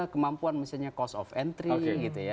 kemampuan misalnya cost of entry